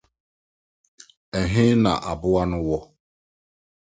Ɛhe na aboa no wɔ?